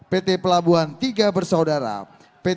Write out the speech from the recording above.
pt pelabuhan tiga bersaudara pt birok kedua